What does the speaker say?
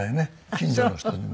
近所の人にも。